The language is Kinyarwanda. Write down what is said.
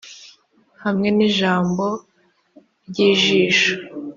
hamwe n'ijambo ry'ijisho? '